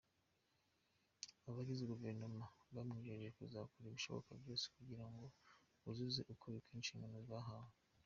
Abagize Guverinoma bamwijeje kuzakora ibishoboka byose kugira ngo buzuze uko bikwiye inshingano bahawe.